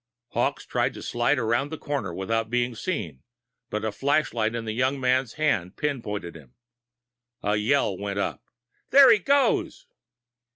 Hawkes tried to slide around the corner without being seen, but a flashlight in the young man's hands pinpointed him. A yell went up. "There he goes!"